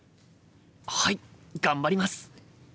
はい頑張ります！